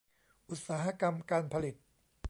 อุตสาหกรรมการผลิต